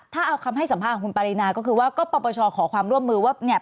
ถ้าเอาคำให้สัมภาษณ์ของคุณปรินาก็คือว่าก็ปปชขอความร่วมมือว่าเนี่ย